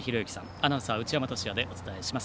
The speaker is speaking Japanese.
アナウンサー、内山俊哉でお伝えします。